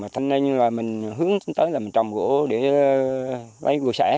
thế nên là mình hướng tới là mình trồng gỗ để lấy gỗ sẻ